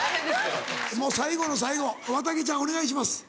もう最後の最後わたげちゃんお願いします。